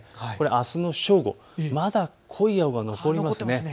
あすの正午、まだ濃い青が残っていますね。